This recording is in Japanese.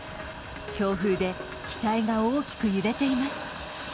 強風で機体が大きく揺れています。